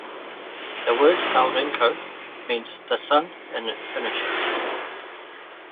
The word "Aurinko" means "The Sun" in Finnish.